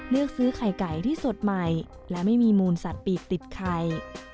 เลือกซื้อไข่ไก่ที่สดใหม่และไม่มีมูลสัตว์ปีกติดไข่